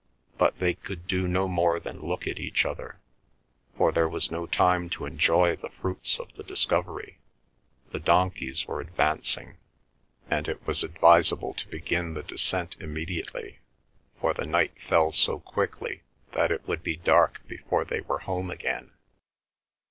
But they could do no more than look at each other, for there was no time to enjoy the fruits of the discovery. The donkeys were advancing, and it was advisable to begin the descent immediately, for the night fell so quickly that it would be dark before they were home again.